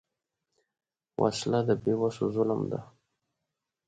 وسله د بېوسو ظلم ده